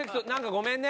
ごめんね。